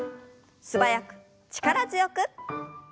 素早く力強く。